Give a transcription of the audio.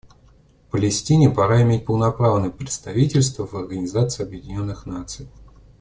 Палестине пора иметь полноправное представительство в Организации Объединенных Наций.